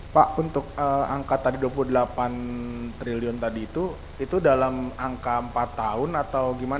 pak untuk angka tadi dua puluh delapan triliun tadi itu itu dalam angka empat tahun atau gimana